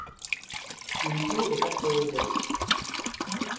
কিন্তু এটা হয়ে গেছে।